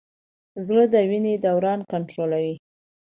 زړه د وینې دوران کنټرولوي.